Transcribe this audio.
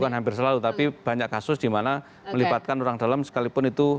bukan hampir selalu tapi banyak kasus dimana melibatkan orang dalem sekalipun itu bank bumn